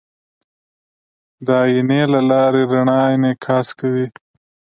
د آیینې له لارې رڼا انعکاس کوي.